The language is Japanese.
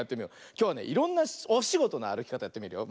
きょうはねいろんなおしごとのあるきかたやってみるよ。